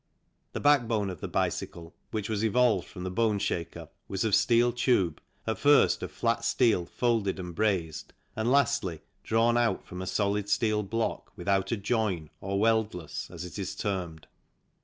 The backbone of the bicycle which was evolved from the boneshaker was of steel tube, at first of flat steel folded and brazed and, lastly, drawn out from a solid steel block without a join, or weldless, as it is termed.